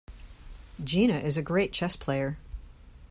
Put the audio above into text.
Gina is a great chess player.